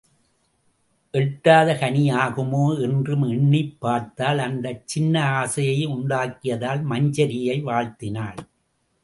எட்டாத கனியாகுமோ என்றும் எண்ணிப் பார்த்தாள் அந்தச் சின்ன ஆசையை உண்டாக்கியதால் மஞ்சரியை வாழ்த்தினாள்.